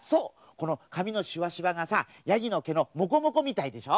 このかみのしわしわがさヤギのけのモコモコみたいでしょ？